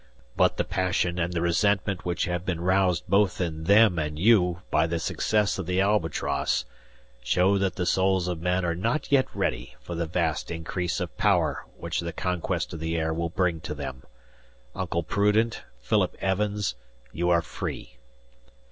But the passion and resentment which have been roused both in them and you by the success of the 'Albatross,' show that the souls of men are not yet ready for the vast increase of power which the conquest of the air will bring to them. Uncle Prudent, Phillip Evans, you are free."